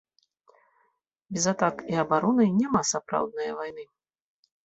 Без атак і абароны няма сапраўднае вайны